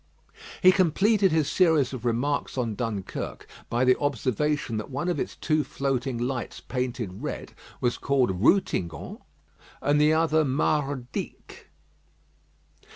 He completed his series of remarks on Dunkirk by the observation that one of its two floating lights painted red was called Ruytingen, and the other Mardyck.